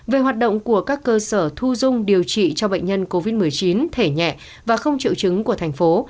về hoạt động của các cơ sở thu dung điều trị cho bệnh nhân covid một mươi chín thể nhẹ và không triệu chứng của thành phố